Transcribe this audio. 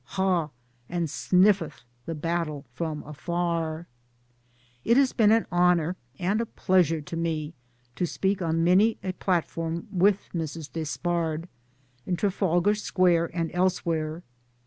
ha 1 and sniff eth the battle from afar I " It has been an honour and a pleasure to me to speak on many a platform with Mrs. Despard in Trafalgar Square and elsewhere.